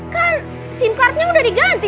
kan sim cardnya udah diganti